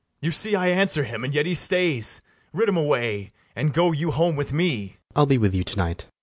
BARABAS. You see I answer him, and yet he stays; Rid him away, and go you home with me. FRIAR JACOMO. I'll be with you to night.